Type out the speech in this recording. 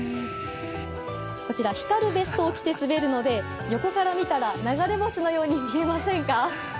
こちら光るベストを着て滑るので横から見たら流れ星のように見えませんか。